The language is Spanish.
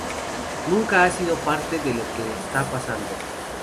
Nunca ha sido parte de lo que está pasando.